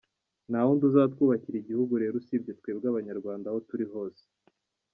Ntawundi uzatwubakira Igihugu rero usibye twebwe Abanyarwand aho turi hose.